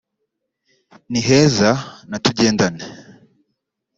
Ni Heza na Tugendane